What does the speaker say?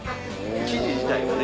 生地自体がね。